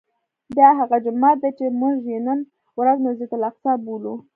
دا هغه جومات دی چې موږ یې نن ورځ مسجد الاقصی بولو.